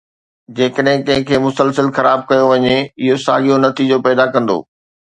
جيڪڏهن ڪنهن کي مسلسل خراب ڪيو وڃي، اهو ساڳيو نتيجو پيدا ڪندو